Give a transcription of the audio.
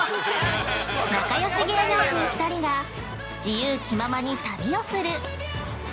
◆仲よし芸能人２人が自由気ままに旅をする。